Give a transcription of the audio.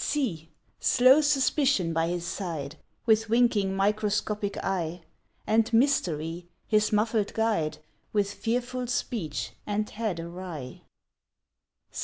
See! slow Suspicion by his side, With winking, microscopic eye! And Mystery, his muffled guide, With fearful speech, and head awry.